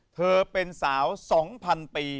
เธอเป็นสาว๒๐๐๐ปี